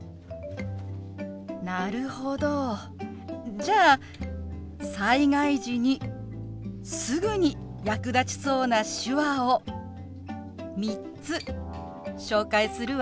なるほどじゃあ災害時にすぐに役立ちそうな手話を３つ紹介するわね。